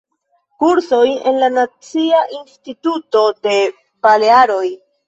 Kursoj en la Nacia Instituto de Balearoj.